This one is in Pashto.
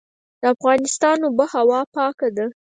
د افغانستان اوبه هوا پاکه ده